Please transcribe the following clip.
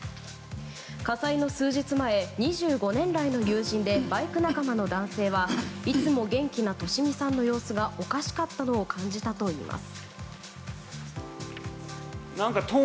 火災の数日前、２５年来の友人でバイク仲間の男性はいつも元気な利美さんの様子がおかしかったのを感じたといいます。